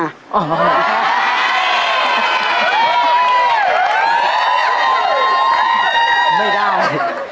ไม่ได้